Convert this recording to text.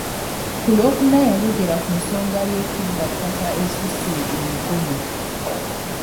Ku lwokuna yayogera ku nsonga y’ekibbattaka ekisusse e Mukono.